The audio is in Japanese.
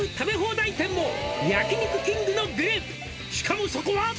「しかもそこは！」